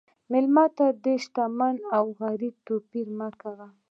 مېلمه ته د شتمن او غریب توپیر مه کوه.